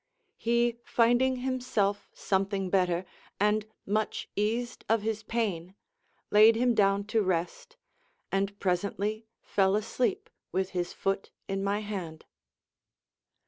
He, finding himself something better, and much eased of his pain, laid him down to rest, and presently fell asleep with his foot in my hand.